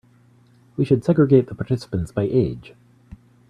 We should segregate the participants by age.